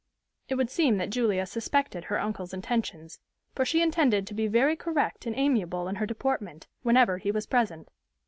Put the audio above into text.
It would seem that Julia suspected her uncle's intentions, for she intended to be very correct and amiable in her deportment, whenever he was present.